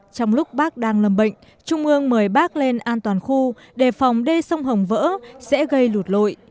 trong lúc bắc đang lầm bệnh trung ương mời bắc lên an toàn khu để phòng đê sông hồng vỡ sẽ gây lụt lội